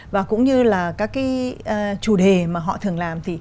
và cũng như là các cái chủ đề mà họ thường làm thì